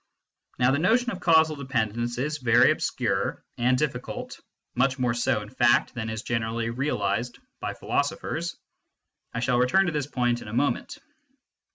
Now the notion of causal dependence is very obscure and difficult, much more so in fact than is generally realised by philosophers. I shall return to this point in a moment.